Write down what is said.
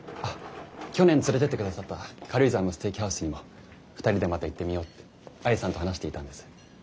去年連れてってくださった軽井沢のステーキハウスにも２人でまた行ってみようって愛さんと話していたんです。